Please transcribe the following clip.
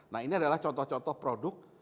nah ini adalah contoh contoh produk